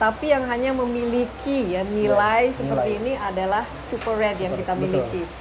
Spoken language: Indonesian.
tapi yang hanya memiliki nilai seperti ini adalah super red yang kita miliki